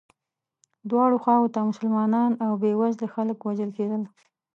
دواړو خواوو ته مسلمانان او بیوزلي خلک وژل کېدل.